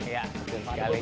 ya betul sekali ya